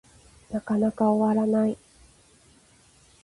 なかなか終わらない